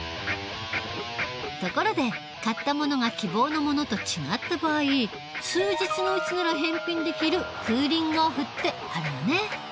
ところで買ったものが希望のものと違った場合数日のうちなら返品できる「クーリングオフ」ってあるよね。